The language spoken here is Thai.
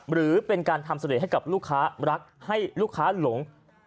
หรือเป็นการทำเสน่ห์ให้กับลูกค้ารักให้ลูกค้าหลง